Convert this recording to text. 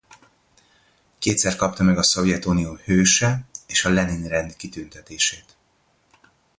Kétszer kapta meg a Szovjetunió Hőse és a Lenin-rend kitüntetést.